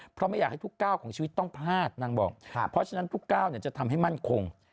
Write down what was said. เพราะไม่อยากให้ทุกก้าวของชีวิตต้องพลาดนางบอกเพราะฉะนั้นทุกก้าวจะทำให้มั่นคง